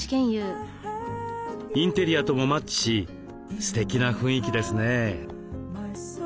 インテリアともマッチしすてきな雰囲気ですね。